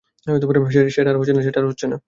সেটা আর হচ্ছে না।